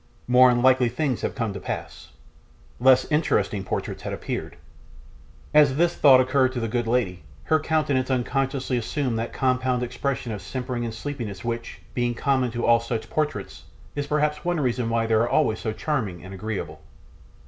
More unlikely things had come to pass. Less interesting portraits had appeared. As this thought occurred to the good lady, her countenance unconsciously assumed that compound expression of simpering and sleepiness which, being common to all such portraits, is perhaps one reason why they are always so charming and agreeable.